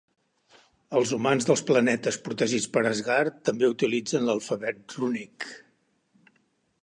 Els humans dels planetes protegits per Asgard també utilitzen l'alfabet rúnic.